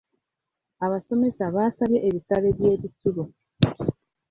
Abasomesa baasabye ebisale by'ebisulo.